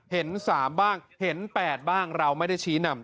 เห็น๓บ้างเห็น๘บ้างเราไม่ได้ชี้นำ